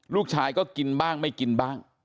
ลูกชายก็กินบ้างไม่กินบ้าง